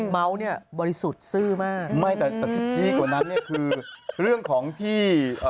เมาท์เนี่ยบริสุทธิ์ซื่อมากไม่แต่ชื่อของนั้นคือเรื่องของที่